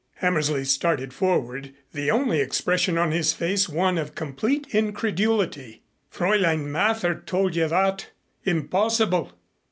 Hammersley started forward, the only expression on his face one of complete incredulity. "Fräulein Mather told you that? Impossible!"